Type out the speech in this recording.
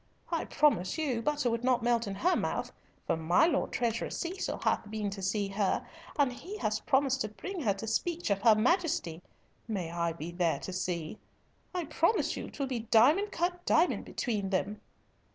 I promise you butter would not melt in her mouth, for my Lord Treasurer Cecil hath been to see her, and he has promised to bring her to speech of her Majesty. May I be there to see. I promise you 'twill be diamond cut diamond between them."